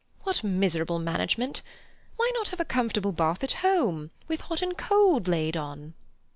What miserable management! Why not have a comfortable bath at home, with hot and cold laid on?"